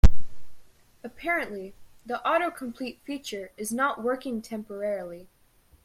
Apparently, the autocomplete feature is not working temporarily.